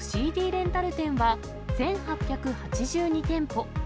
レンタル店は１８８２店舗。